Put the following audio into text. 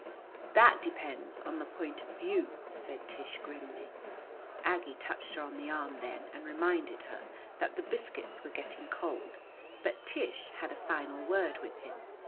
"That depends on the point of view," said Tish grimly. Aggie touched her on the arm then and reminded her that the biscuits were getting cold; but Tish had a final word with him.